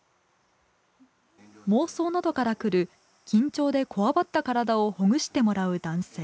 妄想などからくる緊張でこわばった体をほぐしてもらう男性。